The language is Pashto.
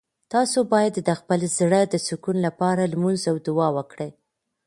تاسو باید د خپل زړه د سکون لپاره لمونځ او دعا وکړئ.